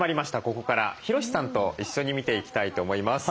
ここからヒロシさんと一緒に見ていきたいと思います。